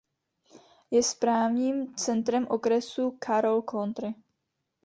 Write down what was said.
Je správním centrem okresu Carroll County.